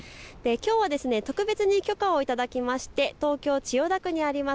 きょうは特別に許可を頂きまして東京千代田区にあります